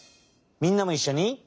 みんなもいっしょに！